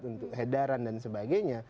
untuk hedaran dan sebagainya